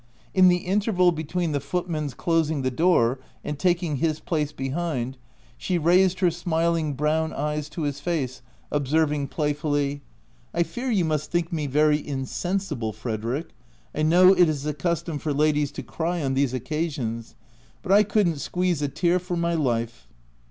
In the interval between the footman's closing the door and taking his place behind, she raised her smiling brown eyes to his face, observing playfully — o 2 292 THE TENANT •* I fear you must think me very insensible, Frederick : I know it is the custom for ladies to cry on these occasions, but I couldn'tsqu eeze a tear for my life.'